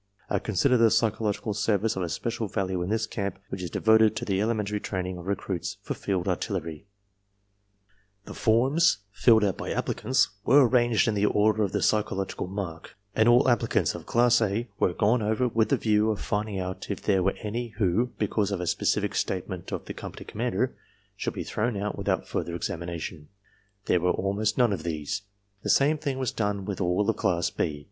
"... I consider the Psychological Service of especial value in this camp, which is devoted to the elementary training of recruits for field artillery. ... 14 ARMY MENTAL TESTS "The forms (filled out by applicants) were arranged in the order of the psychological mark, and all applicants of Class A were gone over with a view of finding out if there were any who, because of a specific statement of the company commander, should be thrown out without further examination. There were almost none of these. The same thing was done with all of Class B.